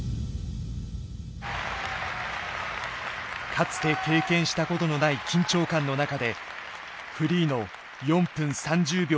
かつて経験したことのない緊張感の中でフリーの４分３０秒が始まった。